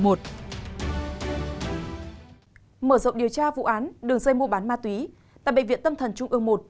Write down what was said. mở rộng điều tra vụ án đường dây mua bán ma túy tại bệnh viện tâm thần trung ương một